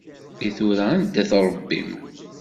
I tura anda-t Ṛebbi-m?